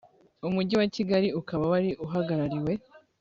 umujyi wa kigali ukaba wari uwuhagarariwe